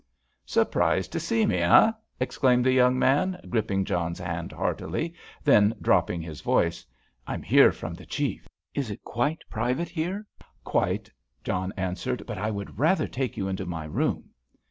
"Surprised to see me, eh?" exclaimed the young man, gripping John's hand heartily; then dropping his voice, "I'm here from the Chief. Is it quite private here?" "Quite," John answered, "but I would rather take you into my room."